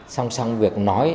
xong xong việc nói